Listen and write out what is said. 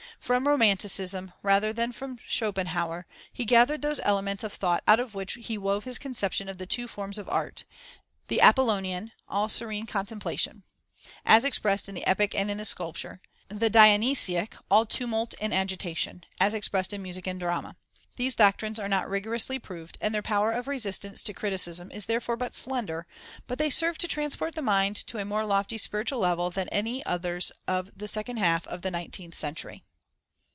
From Romanticism, rather than from Schopenhauer, he gathered those elements of thought out of which he wove his conception of the two forms of art: the Apollonian, all serene contemplation, as expressed in the epic and in sculpture; the Dionysaïc, all tumult and agitation, as expressed in music and the drama. These doctrines are not rigorously proved, and their power of resistance to criticism is therefore but slender, but they serve to transport the mind to a more lofty spiritual level than any others of the second half of the nineteenth century.